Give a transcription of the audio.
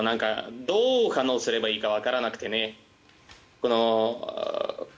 どう反応すればいいか分からなくて。